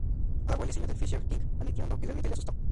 Alabó el diseñó del Fisher King, admitiendo que realmente le asustó.